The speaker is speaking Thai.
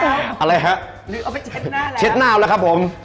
หรือเอาไปเช็ดหน้าแล้วเช็ดหน้าแล้วครับผม